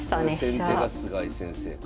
先手が菅井先生か。